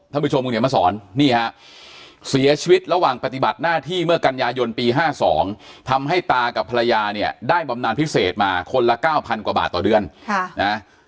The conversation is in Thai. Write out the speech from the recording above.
ผู้ชมคุณเขียนมาสอนนี่ฮะเสียชีวิตระหว่างปฏิบัติหน้าที่เมื่อกันยายนปี๕๒ทำให้ตากับภรรยาเนี่ยได้บำนานพิเศษมาคนละ๙๐๐กว่าบาทต่อเดือนค่ะนะ